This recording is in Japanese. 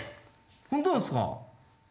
本当ですか？